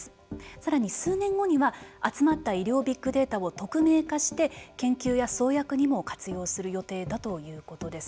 さらに数年後には集まった医療ビッグデータを匿名化して研究や創薬にも活用する予定だということです。